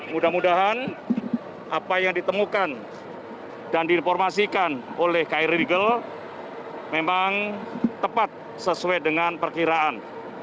mudah mudahan apa yang ditemukan dan diinformasikan oleh kri rigel memang tepat sesuai dengan perkiraan